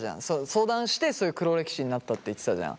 相談してそういう黒歴史になったって言ってたじゃん。